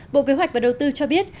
bộ kế hoạch và đầu tư cho biết